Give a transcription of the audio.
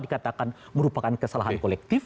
dikatakan merupakan kesalahan kolektif